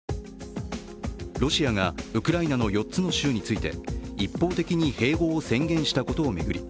ロシアがウクライナの４つの州について一方的に併合を宣言したことを巡り